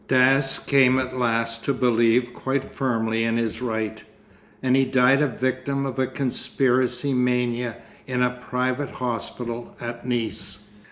Dass came at last to believe quite firmly in his right, and he died a victim of conspiracy mania in a private hospital at Nice.